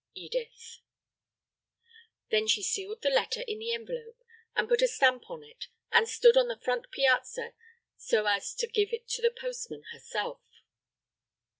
Edith] Then she sealed the letter in the envelop, and put a stamp on it, and stood on the front piazza so as to give it to the postman herself.